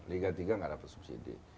liga tiga nggak dapat subsidi